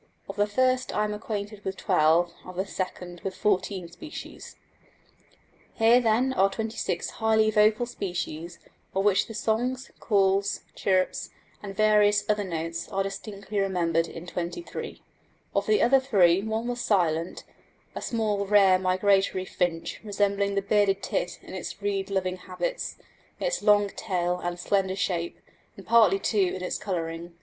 Of the first I am acquainted with 12 and of the second with 14 species. Here then are 26 highly vocal species, of which the songs, calls, chirps, and various other notes, are distinctly remembered in 23. Of the other three one was silent a small rare migratory finch resembling the bearded tit in its reed loving habits, its long tail and slender shape, and partly too in its colouring.